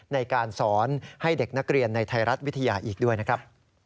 ในการสอนให้เด็กนักเรียนในไทยรัฐวิทยาอีกด้วยนะครับ